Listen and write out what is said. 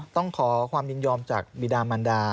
ต้องขอความยินยอมจากบีดามันดา